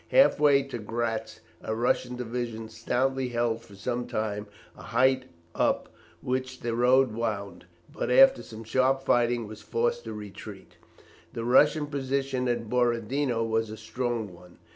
Half way to Gratz, a Russian division stoutly held for some time a height up which the road wound, but after some sharp fighting was forced to retreat. The Russian position at Borodino was a strong one.